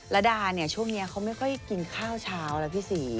ระดาเนี่ยช่วงนี้เขาไม่ค่อยกินข้าวเช้าแล้วพี่ศรี